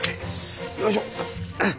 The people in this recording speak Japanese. よいしょ。